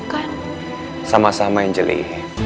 kamu udah berusaha nemuin bunga itu sangat sulit untuk ditemu